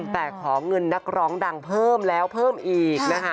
แต่ขอเงินนักร้องดังเพิ่มแล้วเพิ่มอีกนะคะ